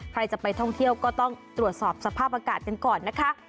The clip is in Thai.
ใครจะไปท่องเที่ยวก็ต้องตรวจสอบสภาพอากาศกันก่อนนะคะ